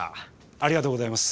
ありがとうございます。